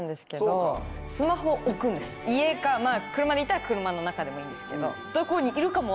家か車で行ったら車の中でもいいんですけど。